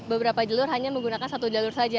beberapa jalur hanya menggunakan satu jalur saja